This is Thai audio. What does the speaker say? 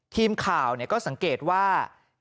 ทีมข่าวก็สังเกตว่า